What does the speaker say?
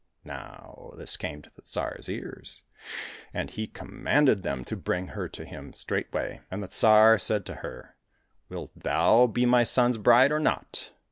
Now this came to the Tsar's ears, and he commanded 197 COSSACK FAIRY TALES them to bring her to him straightway. And the Tsar said to her, " Wilt thou be my son's bride or not